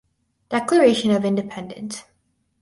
Declaration of Independence.